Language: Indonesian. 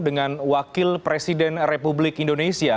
dengan wakil presiden republik indonesia